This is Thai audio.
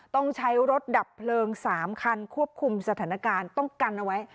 ต้องใช้รถดับเพลิง๓คันควบคุมสถานการณ์ต้องกันเอาไว้